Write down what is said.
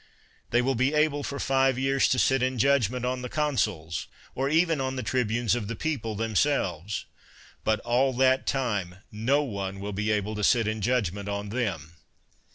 They will be able for five years to sit in judgment on the consuls, or even on the tribunes of the people themselves ; but all that time no one will be able to sit in judgment on them.